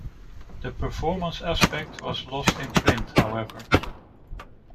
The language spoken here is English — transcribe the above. The performance aspect was lost in print, however.